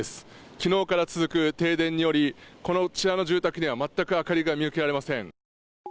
昨日から続く停電によりこちらの住宅には全く明かりが見受けられません。